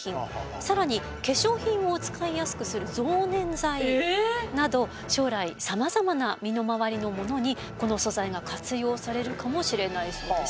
更に化粧品を使いやすくする増粘剤など将来さまざまな身の回りのものにこの素材が活用されるかもしれないそうです。